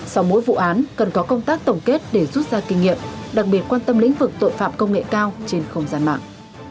sau mỗi vụ án cần có công tác tổng kết để rút ra kinh nghiệm đặc biệt quan tâm lĩnh vực tội phạm công nghệ cao trên không gian mạng